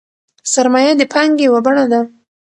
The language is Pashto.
سرمایه د پانګې یوه بڼه ده.